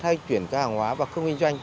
thay chuyển các hàng hóa vào cơm kinh doanh